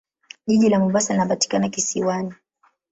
Jiji la Mombasa linapatikana kisiwani.